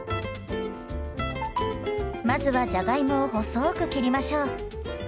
まずはじゃがいもを細く切りましょう。